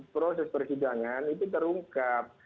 proses persidangan itu terungkap